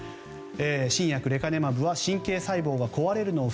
新薬レカネマブは神経細胞が壊れるのを